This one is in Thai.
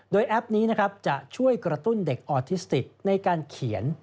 โดยแอปนี้นะครับจะช่วยกระตุ้นเด็กออทิสติกในการเขียน